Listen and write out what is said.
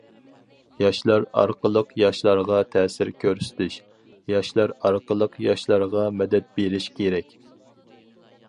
ياشلار ئارقىلىق ياشلارغا تەسىر كۆرسىتىش، ياشلار ئارقىلىق ياشلارغا مەدەت بېرىش كېرەك.